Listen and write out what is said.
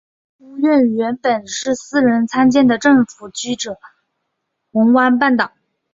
屋苑原本是私人参建的政府居者有其屋项目红湾半岛。